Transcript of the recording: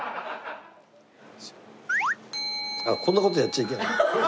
あっこんな事やっちゃいけない？